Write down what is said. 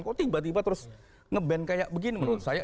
kok tiba tiba terus nge ban kayak begini menurut saya